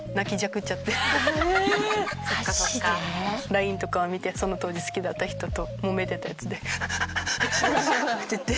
ＬＩＮＥとかを見てその当時好きだった人ともめてたやつでハアハアハアハアっていって。